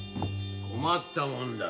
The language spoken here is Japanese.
困ったもんだ。